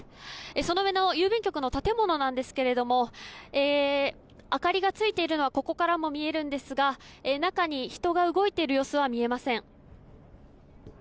その上の郵便局の建物なんですけれども明かりがついているのがここからも見えるんですが中で人が動いている様子は見えません。